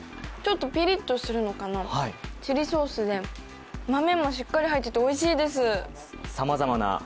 ちょっとピリッとするのかな、チリソースで、豆もしっかり入っていておいしいです。